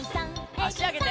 あしあげて。